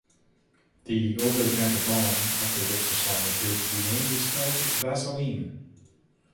The over-the-counter balm after which the song appears to be named is spelled Vaseline.